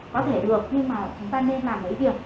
có thể được nhưng mà chúng ta nên làm cái việc